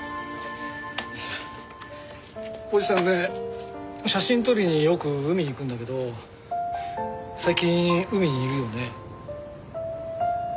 おじさんね写真撮りによく海に行くんだけど最近海にいるよね。